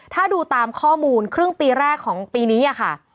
ถ้าดูตามข้อมูลครึ่งปีแรกของปีนี้ค่ะ